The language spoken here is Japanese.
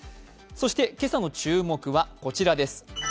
今朝の注目は、こちらです。